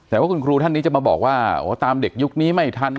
แต่ว่าคุณครูท่านนี้จะมาบอกว่าตามเด็กยุคนี้ไม่ทัน